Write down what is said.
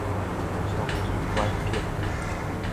桑榆晚景